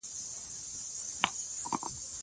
افغانستان کې د تاریخ په اړه زده کړه کېږي.